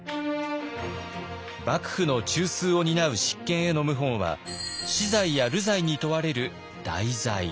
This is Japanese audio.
幕府の中枢を担う執権への謀反は死罪や流罪に問われる大罪。